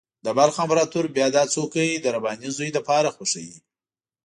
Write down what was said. د بلخ امپراطور بیا دا څوکۍ د رباني زوی لپاره خوښوي.